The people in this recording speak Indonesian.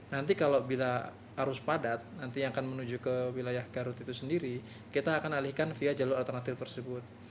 nanti kalau bila arus padat nanti yang akan menuju ke wilayah garut itu sendiri kita akan alihkan via jalur alternatif tersebut